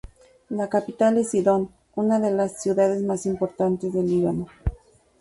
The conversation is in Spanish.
La capital es Sidón, una de las ciudades más importantes del Líbano.